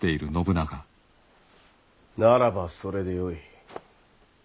ならばそれでよい。